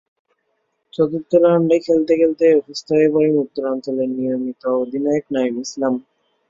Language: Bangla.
চতুর্থ রাউন্ডে খেলতে খেলতেই অসুস্থ হয়ে পড়েন উত্তরাঞ্চলের নিয়মিত অধিনায়ক নাঈম ইসলাম।